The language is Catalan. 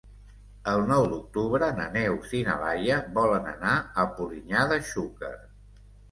El nou d'octubre na Neus i na Laia volen anar a Polinyà de Xúquer.